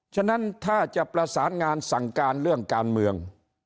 ฉะนั้นถ้าจะประสานงานสั่งการเรื่องการเมือง